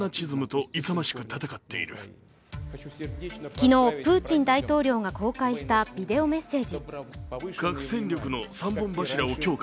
昨日、プーチン大統領が公開したビデオメッセージ。